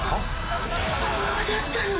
そうだったのね。